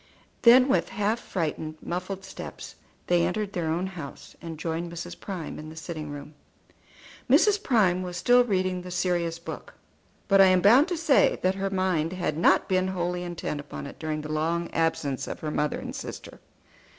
Then with half frightened, muffled steps they entered their own house, and joined Mrs. Prime in the sitting room. Mrs. Prime was still reading the serious book; but I am bound to say that her mind had not been wholly intent upon it during the long absence of her mother and sister.